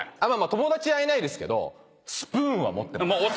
友達いないですけどスプーンは持ってます。